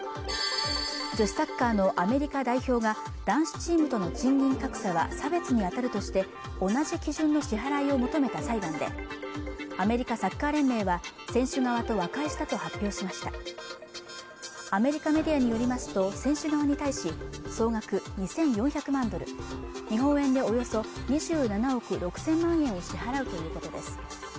女子サッカーのアメリカ代表が男子チームとの賃金格差は差別に当たるとして同じ基準の支払いを求めた裁判でアメリカサッカー連盟は選手側と和解したと発表しましたアメリカメディアによりますと選手側に対し総額２４００万ドル日本円でおよそ２７億６０００万円を支払うということです